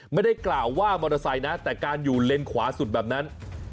ไม่ได้กล่าวว่ามอเตอร์ไซค์นะแต่การอยู่เลนขวาสุดแบบนั้น